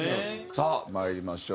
さあまいりましょう。